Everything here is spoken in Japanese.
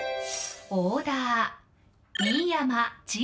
「オーダー」